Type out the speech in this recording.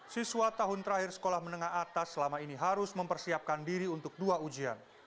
siswa tahun terakhir sekolah menengah atas selama ini harus mempersiapkan diri untuk dua ujian